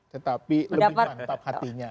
tetapi lebih kuat hatinya